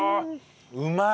うまい！